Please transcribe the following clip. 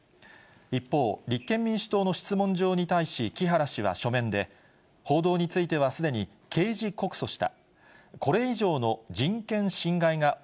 一方、立憲民主党の質問状に対し、木原氏は書面で、報道についてはすでに刑事告訴した。